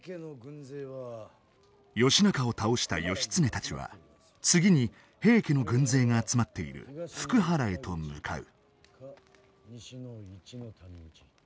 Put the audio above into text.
義仲を倒した義経たちは次に平家の軍勢が集まっている福原へと向かう。